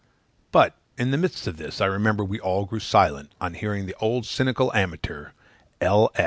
But, in the midst of this, I remember we all grew silent on hearing the old cynical amateur, L.